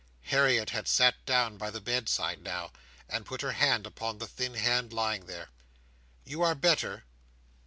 Harriet had sat down by the bedside now, and put her hand upon the thin hand lying there. "You are better?"